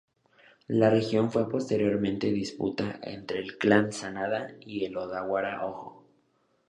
La región fue posteriormente disputada entre el clan Sanada y el Odawara Hōjō.